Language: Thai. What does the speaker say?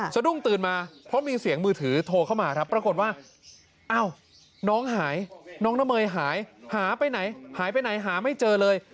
สะดุ้งตื่นมาเพราะมีเสียงมือถือโทรเข้ามาครับปรากฏว่าอ้าวน้องหายน้องน้ำเมยหายหาไปไหนหายไปไหนหาไม่เจอเลย